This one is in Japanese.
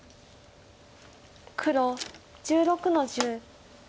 黒１６の十。